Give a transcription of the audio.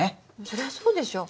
そりゃそうでしょ。